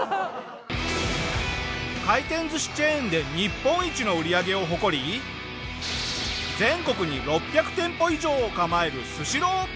回転寿司チェーンで日本一の売り上げを誇り全国に６００店舗以上を構えるスシロー。